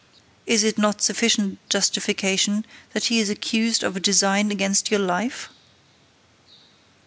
Is it not sufficient justification that he is accused of a design against your life?